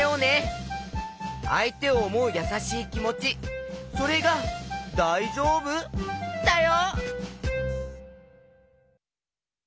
あいてをおもうやさしいきもちそれが「だいじょうぶ？」だよ！